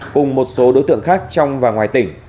cùng một số đối tượng khác trong và ngoài tỉnh